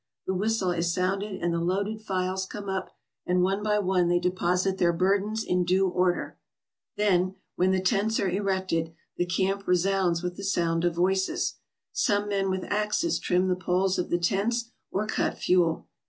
The whistle is sounded and the loaded files come up, and one by one they deposit their burdens in due order. Then, when the tents are erected, the camp re sounds with the sound of voices. Some men with axes trim the poles of the tents or cut fuel.